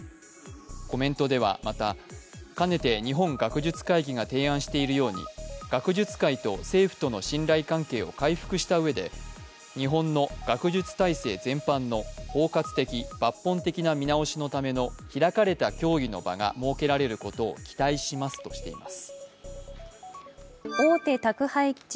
コメントではまた、かねて日本学術会議が提案しているように学術界と政府との信頼関係を回復したうえで日本の学術全般の包括的・抜本的な見直しのための開かれた協議の場が設けられることを期待しますとしています。